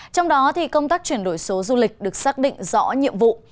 trong đó thì công tác chuyển đổi số du lịch được xác định rõ nhiệm vụ